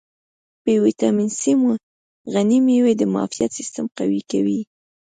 په ویټامین C غني مېوې د معافیت سیستم قوي کوي.